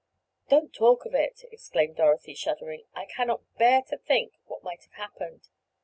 "Don't talk of it!" exclaimed Dorothy, shuddering. "I cannot bear to think of what might have happened.